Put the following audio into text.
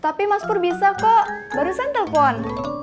tapi mas pur bisa kok barusan telpon